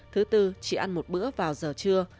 thứ tư chỉ ăn một bữa vào giờ trưa